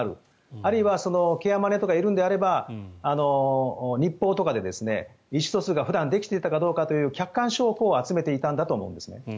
あるいはケアマネとかいるのであれば日報とかで意思疎通が普段できていたかどうかという客観証拠を集めていたんだと思いますね。